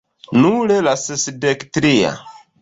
Nur la sesdek tria...